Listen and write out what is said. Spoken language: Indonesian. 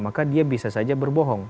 maka dia bisa saja berbohong